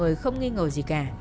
nên mọi người không nghi ngờ gì cả